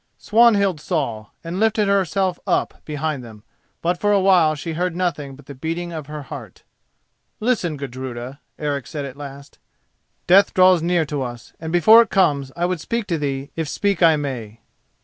Swanhild saw and lifted herself up behind them, but for a while she heard nothing but the beating of her heart. "Listen, Gudruda," Eric said at last. "Death draws near to us, and before it comes I would speak to thee, if speak I may."